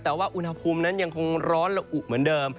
แต่ว่าอุณหภูมินั้นยังคงร้อนและอุเหมือนเดิม